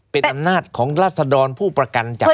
เป็นอำนาจของราษฎรผู้ประกันจับได้